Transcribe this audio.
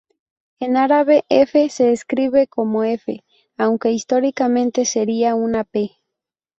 En árabe "f" se escribe como "f", aunque históricamente sería una "p".